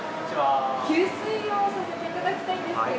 給水をさせていただきたいんですけど。